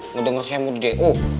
ngedenger saya mau di d e u